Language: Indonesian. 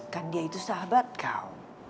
kan dia itu sahabat kau